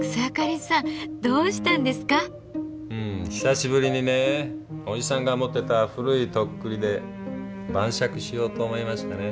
うん久しぶりにね叔父さんが持ってた古い徳利で晩酌しようと思いましてね。